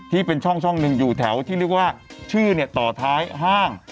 ที่เป็นช่องหนึ่งอยู่แถวที่เรียกว่าชื่อต่อท้ายห้าง